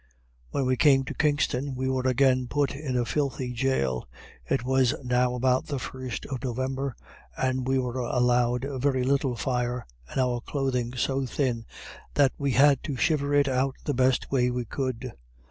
When we came to Kingston we were again put in a filthy jail. It was now about the first of November, and we were allowed very little fire, and our clothing so thin, that we had to shiver it out the best way we could.